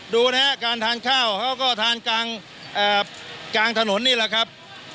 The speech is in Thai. ดูนะฮะการทานข้าวเขาก็ทานกลางถนนนี่แหละครับ